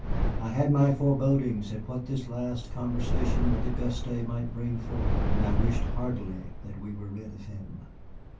I had my forebodings at what this last conversation with Auguste might bring forth, and I wished heartily that we were rid of him.